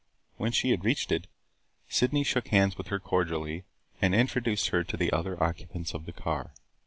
When she had reached it, Sydney shook hands with her cordially and introduced her to the other occupants of the car.